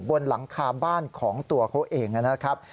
บนหลังคาบ้านของตัวเขาเองนะครับ